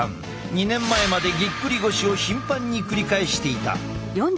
２年前までぎっくり腰を頻繁に繰り返していた。